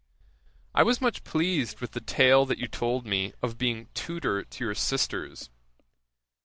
I was much pleased with the tale that you told me of being tutour to your sisters.